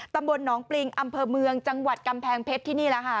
ตำบลหนองปริงอำเภอเมืองจังหวัดกำแพงเพชรที่นี่แหละค่ะ